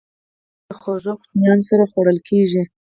پکورې له خوږو ماشومانو سره خوړل کېږي